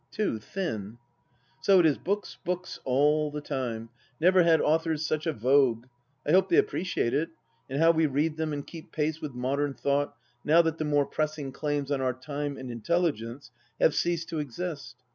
Too thin 1 So it is books, books, all the time ; never had authors such a vogue ! I hope they appreciate it, and how we read them and keep pace with modern thought, now that the more pressing claims on our time and intelligence have ceased to exist.